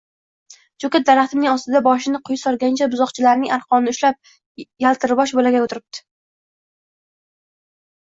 Joʻka daraxtining ostida boshini quyi solgancha buzoqchalarining arqonini ushlab yaltirbosh bolakay oʻtiribdi.